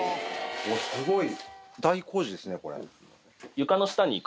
すごい。